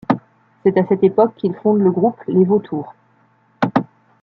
C'est à cette époque qu'ils fondent le groupe Les Vautours.